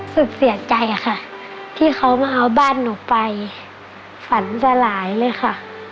เสียใจค่ะที่เขามาเอาบ้านหนูไปฝันสลายเลยค่ะ